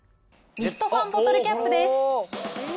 ミストファンボトルキャップです。